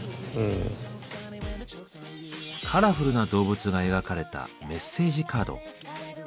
カラフルな動物が描かれたメッセージカード。